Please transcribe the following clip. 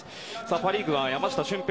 パ・リーグは山下舜平